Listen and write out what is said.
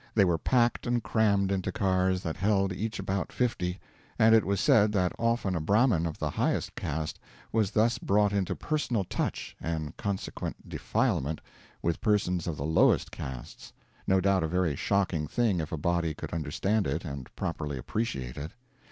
They were packed and crammed into cars that held each about fifty; and it was said that often a Brahmin of the highest caste was thus brought into personal touch, and consequent defilement, with persons of the lowest castes no doubt a very shocking thing if a body could understand it and properly appreciate it.